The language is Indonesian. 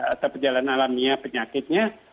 atau perjalanan alami penyakitnya